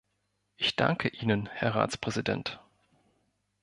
Ich danke Ihnen, Herr Ratspräsident.